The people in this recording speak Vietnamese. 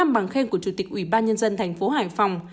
năm bằng khen của chủ tịch ủy ban nhân dân thành phố hải phòng